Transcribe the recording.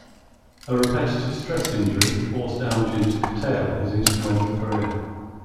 A repetitive stress injury forced Oundjian to curtail his instrumental career.